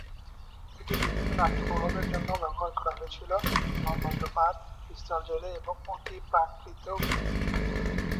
এটি বিভিন্ন নাট্য প্রভাবের জন্যও ব্যবহার করা হয়েছিল, যেমন বজ্রপাত, পিস্তল জ্বলে, এবং অতিপ্রাকৃত উপস্থিতি।